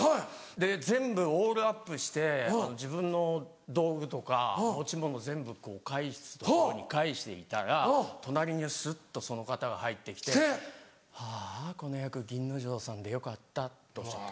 で全部オールアップして自分の道具とか持ち物全部返す所に返していたら隣にスッとその方が入って来て「はぁこの役銀之丞さんでよかった」っておっしゃった。